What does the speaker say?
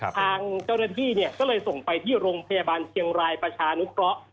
ทางเจ้าหน้าที่เนี่ยก็เลยส่งไปที่โรงพยาบาลเชียงรายประชานุเคราะห์